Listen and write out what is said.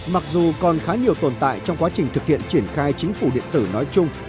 mặc dù còn khá nhiều tồn tại trong quá trình thực hiện triển khai chính phủ điện tử nói chung